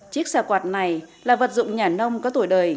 chiếc xà quạt này là vật dụng nhà nông có tuổi đời